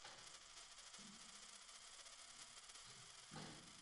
viini kutoka kwa mnyama aliyeathirika Kisha huvisambaza kwa vizazi vyao kupitia kwa mayai Kisha